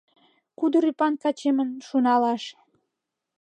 Кудыр ӱпан качемым шуналаш.